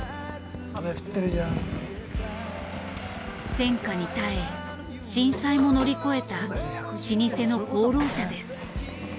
戦火に耐え震災も乗り越えた老舗の功労者です。